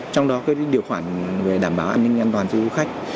trong đó điều khoản về đảm bảo an ninh an toàn cho du khách